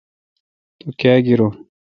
تو کاں گیرون۔